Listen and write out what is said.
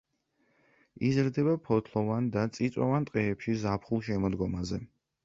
იზრდება ფოთლოვან და წიწვოვან ტყეებში ზაფხულ-შემოდგომაზე.